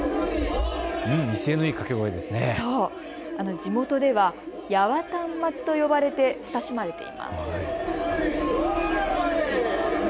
地元では、やわたんまちと呼ばれて親しまれています。